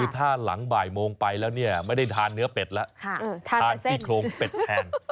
ถ้าหลังบ่ายโมงไปแล้วเนี่ยไม่ได้ทานเนื้อเป็ดแล้วทานซี่โครงเป็ดแทน